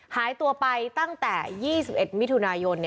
หายตัวไปตั้งแต่๒๑มิถุนายน